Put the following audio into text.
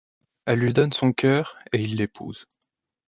Elle lui donne son cœur et il l'épouse.